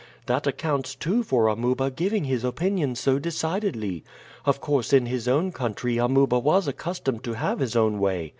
That accounts, too, for Amuba giving his opinion so decidedly. Of course, in his own country, Amuba was accustomed to have his own way.